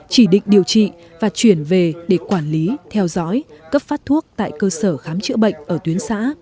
chỉ định điều trị và chuyển về để quản lý theo dõi cấp phát thuốc tại cơ sở khám chữa bệnh ở tuyến xã